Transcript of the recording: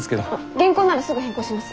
原稿ならすぐ変更します。